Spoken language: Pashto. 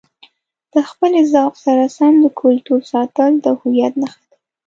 د خپلې ذوق سره سم د کلتور ساتل د هویت نښه ده.